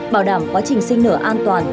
bảo đảm quá trình sinh nở an toàn